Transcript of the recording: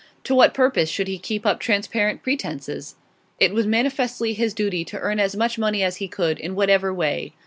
To what purpose should he keep up transparent pretences? It was manifestly his duty to earn as much money as he could, in whatever way.